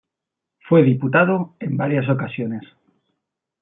Fue diputado en varias ocasiones.